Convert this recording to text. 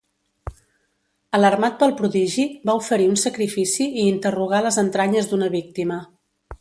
Alarmat pel prodigi, va oferir un sacrifici i interrogà les entranyes d'una víctima.